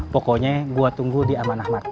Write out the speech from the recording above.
pokoknya gue tunggu di amanahmat